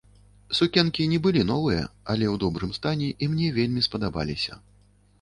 Сукенкі не былі новыя, але ў добрым стане, і мне вельмі спадабаліся.